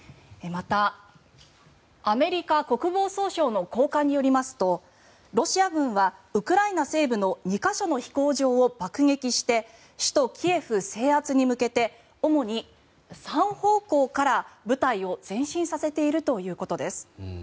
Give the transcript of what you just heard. また、アメリカ国防総省の高官によりますとロシア軍はウクライナ西部の２か所の飛行場を爆撃して首都キエフ制圧に向けて主に３方向から部隊を前進させているということです。